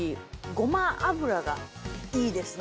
ごま油がいいですね。